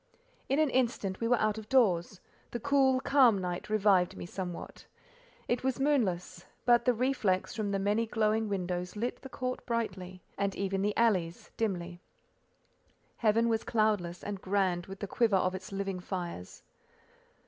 In an instant we were out of doors: the cool, calm night revived me somewhat. It was moonless, but the reflex from the many glowing windows lit the court brightly, and even the alleys—dimly. Heaven was cloudless, and grand with the quiver of its living fires.